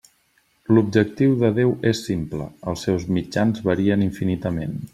L'objectiu de Déu és simple, els seus mitjans varien infinitament.